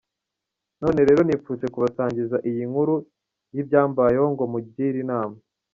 None rero nifuje kubasangiza iyi nkuru y’ibyambayeho ngo mungire inama.